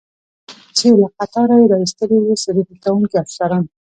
چې له قطاره یې را ایستلی و، څېړنې کوونکي افسران.